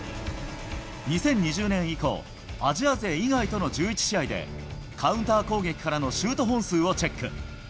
２０２０年以降、アジア勢以外との１１試合でカウンター攻撃からのシュート本数をチェック。